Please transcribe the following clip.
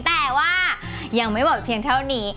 แต่ว่ายังไม่หมดเพียงเท่านี้